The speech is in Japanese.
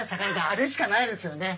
あれしかないですよね。